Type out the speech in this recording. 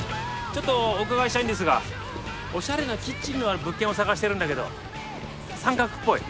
ちょっとお伺いしたいんですがおしゃれなキッチンのある物件を探してるんだけど三角っぽい。